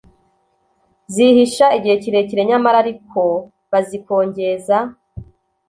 zihisha igihe kirekire nyamara ari ko bazikongeza